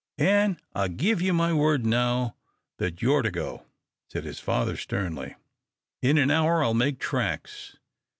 "An' I give you my word now that you're to go," said his father, sternly. "In an hour I'll make tracks.